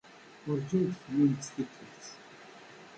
Urǧin teknimt tikkelt.